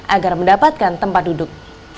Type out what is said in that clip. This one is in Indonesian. agar mendapatkan tempat duduk